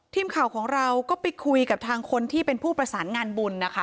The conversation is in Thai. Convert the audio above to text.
ทีมข่าวของเราก็ไปคุยกับทางคนที่เป็นผู้ประสานงานบุญนะคะ